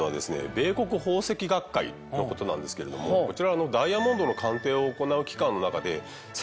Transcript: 米国宝石学会のことなんですけれどもこちらは。